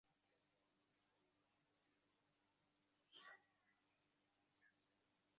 কওমি মাদ্রাসায় শিক্ষিত শিক্ষার্থীরা একটা ভুল চেতনা নিয়ে সমাজে প্রবেশ করছেন।